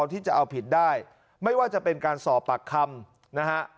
ที่จะเอาผิดได้ไม่ว่าจะเป็นการสอบปากคำนะฮะ